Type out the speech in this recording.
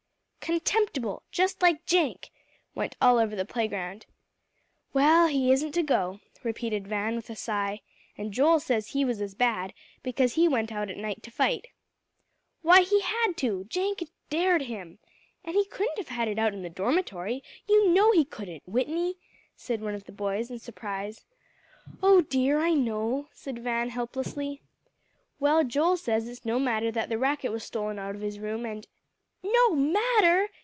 "Contemptible! Just like Jenk!" went all over the playground. "Well, he isn't to go," repeated Van with a sigh; "and Joel says he was as bad, because he went out at night to fight." "Why, he had to; Jenk dared him. And he couldn't have it out in the dormitory; you know he couldn't, Whitney," said one of the boys in surprise. "Oh dear! I know," said Van helplessly. "Well, Joel says it's no matter that the racket was stolen out of his room, and " "No matter!"